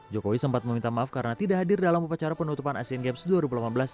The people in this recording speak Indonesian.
jokowi sempat meminta maaf karena tidak hadir dalam upacara penutupan asian games dua ribu delapan belas